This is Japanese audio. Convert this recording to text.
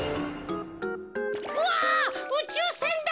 うわうちゅうせんだ！